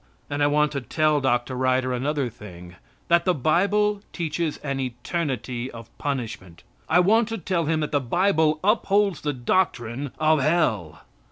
And I want to tell Dr. Ryder another thing, that the Bible teaches an eternity of punishment. I want to tell him that the Bible upholds the doctrine of Hell.